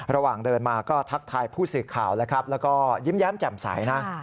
ระหว่างเดินมาก็ทักทายผู้สื่อข่าวแล้วครับแล้วก็ยิ้มแย้มแจ่มใสนะ